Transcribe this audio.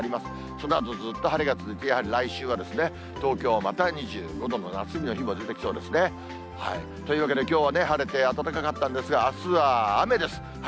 そのあとずっと晴れが続き、やはり来週は東京、また２５度の夏日の日も出てきそうですね。というわけできょうは晴れて暖かかったんですが、あすは雨です。